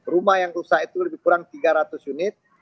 rumah yang rusak itu lebih kurang tiga ratus unit